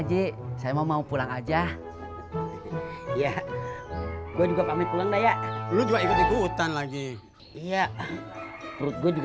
aja saya mau mau pulang aja ya gue juga pamit pulang daya lu juga ikut ikutan lagi iya perut gue juga